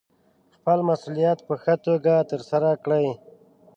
خپل مسوولیت په ښه توګه ترسره کړئ.